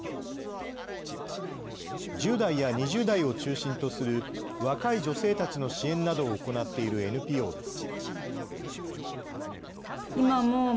１０代や２０代を中心とする若い女性たちの支援などを行っているＮＰＯです。